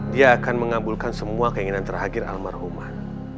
dia akan mengabulkan semua keinginan terakhir almarhumah